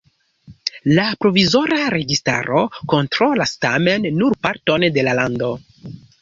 La provizora registaro kontrolas tamen nur parton de la lando.